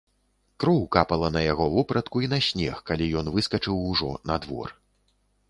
Кроў капала на яго вопратку і на снег, калі ён выскачыў ужо на двор.